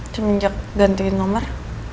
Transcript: semenjak gantiin nomor